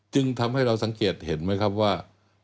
จึงทำให้เราสังเกตเห็นไหมครับว่า